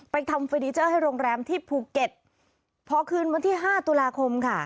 ทำเฟอร์นิเจอร์ให้โรงแรมที่ภูเก็ตพอคืนวันที่ห้าตุลาคมค่ะ